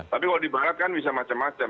tapi kalau di barat kan bisa macam macam